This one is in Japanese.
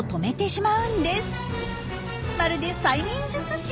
まるで催眠術師！